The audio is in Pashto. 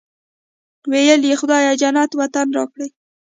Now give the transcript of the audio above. ویل یې خدای جنت وطن راکړی.